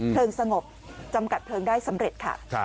เพลิงสงบจำกัดเพลิงได้สำเร็จ